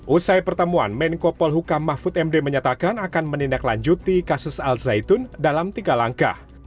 usai pertemuan menko polhukam mahfud md menyatakan akan menindaklanjuti kasus al zaitun dalam tiga langkah